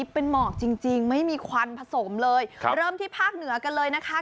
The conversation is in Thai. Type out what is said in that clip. เป็นหมอกจริงไม่มีควันผสมเลยเริ่มที่ภาคเหนือกันเลยนะคะ